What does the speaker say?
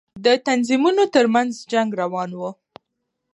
د تنظيمونو تر منځ جنگ روان و.